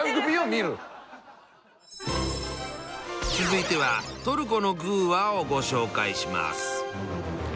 続いてはトルコの「グぅ！話」をご紹介します。